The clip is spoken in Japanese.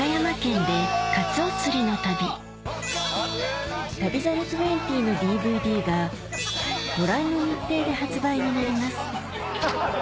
『旅猿２０』のＤＶＤがご覧の日程で発売になります